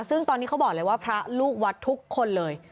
ซึ่งตอนนี้เขาบอกเลยว่าพระลูกวัดทุกคนเลย